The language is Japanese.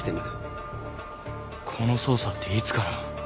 この捜査っていつから。